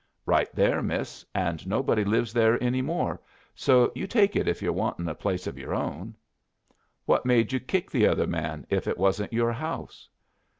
"Right there, miss. And nobody lives there any more, so you take it if you're wantin' a place of your own." "What made you kick the other man if it wasn't your house?"